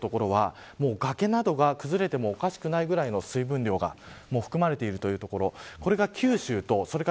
そうすると赤や紫の所は崖などが崩れてもおかしくないぐらいの水分量が含まれているというところです。